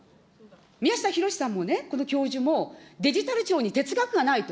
みやしたひろしさんもね、この教授も、デジタル庁に哲学がないと。